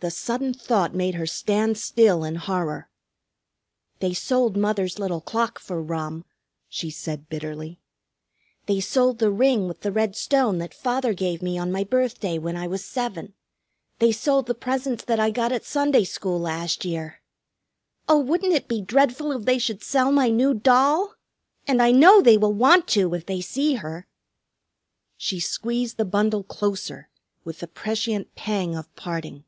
The sudden thought made her stand still in horror. "They sold Mother's little clock for rum," she said bitterly. "They sold the ring with the red stone that Father gave me on my birthday when I was seven. They sold the presents that I got at Sunday School last year. Oh, wouldn't it be dreadful if they should sell my new doll! And I know they will want to if they see her." She squeezed the bundle closer with the prescient pang of parting.